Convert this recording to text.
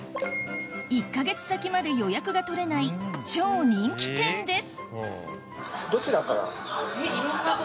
１か月先まで予約が取れない超人気店です